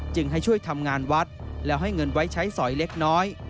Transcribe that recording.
ให้ช่วยทำงานวัดแล้วให้เงินไว้ใช้สอยเล็กน้อย